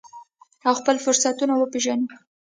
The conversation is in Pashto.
او خپل فرصتونه وپیژنو.